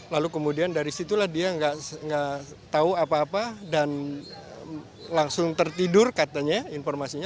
lalu kemudian dari situlah dia nggak tahu apa apa dan langsung tertidur katanya informasinya